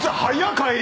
帰り。